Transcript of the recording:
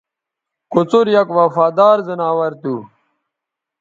کوڅر یک وفادار زناور تھو